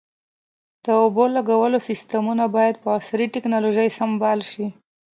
د اوبو لګولو سیستمونه باید په عصري ټکنالوژۍ سنبال شي.